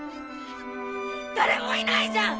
誰もいないじゃん！